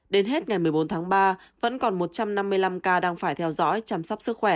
đến hết ngày một mươi bốn tháng ba vẫn còn một trăm năm mươi năm ca đang phải theo dõi chăm sóc sức khỏe